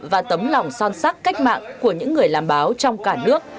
và tấm lòng son sắc cách mạng của những người làm báo trong cả nước